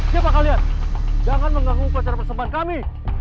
siapa kalian jangan mengganggu pacar persembahan kami